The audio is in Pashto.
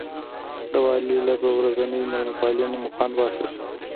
د والي له دوه ورځنۍ مېلمه پالنې مو خوند واخیست.